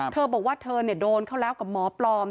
เธอบอกว่าเธอโดนเขาแล้วกับหมอปลอม